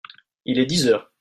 Il est dix heures.